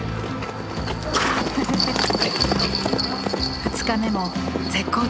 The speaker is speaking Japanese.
２日目も絶好調。